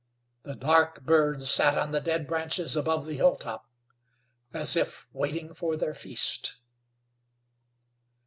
The dark birds sat on the dead branches above the hilltop, as if waiting for their feast.